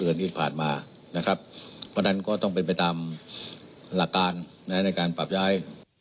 ที่ผ่านมานะครับเพราะฉะนั้นก็ต้องเป็นไปตามหลักการในการปรับย้าย